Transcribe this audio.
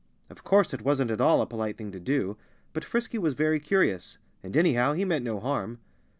Of course it wasn't at all a polite thing to do. But Frisky was very curious. And anyhow, he meant no harm.